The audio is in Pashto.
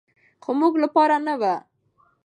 خو زموږ لپاره نه و.